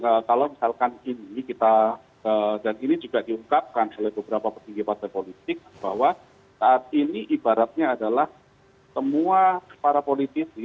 jadi kalau misalkan ini kita dan ini juga diungkapkan oleh beberapa petinggi partai politik bahwa saat ini ibaratnya adalah semua para politisi